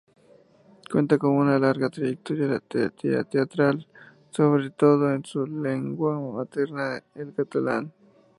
Cuenta con una larga trayectoria teatral, sobre todo en su lengua materna, el catalán.